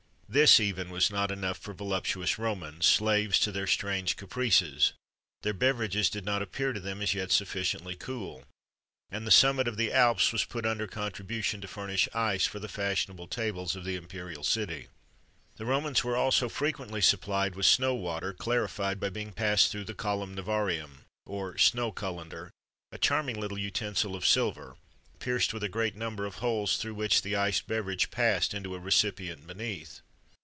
[XXV 25] This even was not enough for voluptuous Romans, slaves to their strange caprices; their beverages did not appear to them as yet sufficiently cool,[XXV 26] and the summit of the Alps was put under contribution to furnish ice for the fashionable tables of the imperial city.[XXV 27] The Romans were also frequently supplied with snow water,[XXV 28] clarified by being passed through the colum nivarium, or snow cullender,[XXV 29] a charming little utensil of silver, pierced with a great number of holes, through which the iced beverage passed into a recipient beneath.